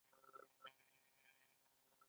ځکه چې هغوی ستا د روح ماشومان او اولادونه دي.